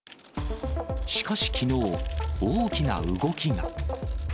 しかし、きのう、大きな動きが。